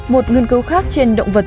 một nghiên cứu khác trên động vật